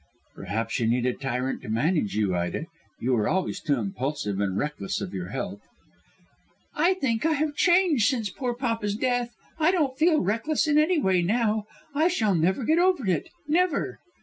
"Perhaps you need a tyrant to manage you, Ida. You were always too impulsive and reckless of your health." "I think I have changed since poor papa's death. I don't feel reckless in any way now. I shall never get over it; never."